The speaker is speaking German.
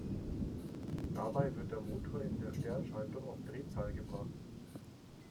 Dabei wird der Motor in der Sternschaltung auf Drehzahl gebracht.